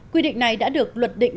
quy định này đã được luật định